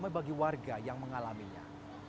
dan juga bagi warga yang mengalaminya